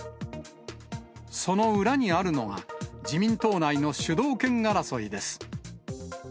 その裏にあるのが自民党内の主導権争いです。